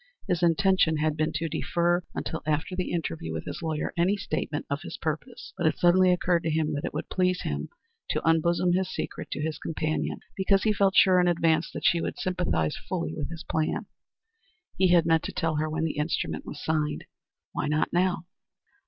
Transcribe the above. His intention had been to defer until after the interview with his lawyer any statement of his purpose, but it suddenly occurred to him that it would please him to unbosom his secret to his companion because he felt sure in advance that she would sympathize fully with his plans. He had meant to tell her when the instrument was signed. Why not now?